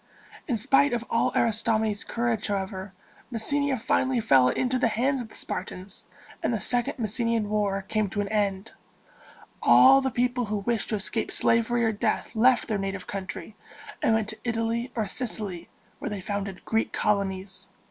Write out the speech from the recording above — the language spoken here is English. In spite of all Aristomenes' courage, however, Messenia finally fell into the hands of the Spartans, and the Second Messenian War came to an end. All the people who wished to escape slavery or death left their native country, and went to Italy or Sicily, where they founded Greek colonies.